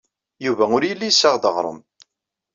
Yuba ur yelli yessaɣ-d aɣrum.